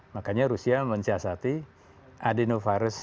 makanya rusia mensiasati adenovirus